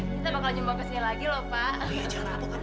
kita bakal jumpa kesini lagi lho pak